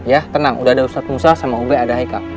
ya tenang udah ada ustadz musa sama ub ada heika